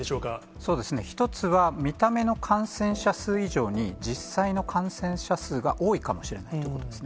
そうですね、１つは見た目の感染者数以上に、実際の感染者数が多いかもしれないということですね。